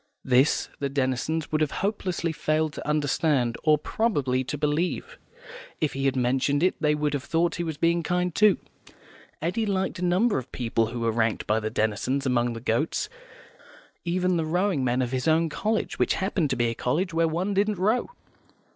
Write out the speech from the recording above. This the Denisons would have hopelessly failed to understand, or, probably, to believe; if he had mentioned it they would have thought he was being kind, too. Eddy liked a number of people who were ranked by the Denisons among the goats; even the rowing men of his own college, which happened to be a college where one didn't row.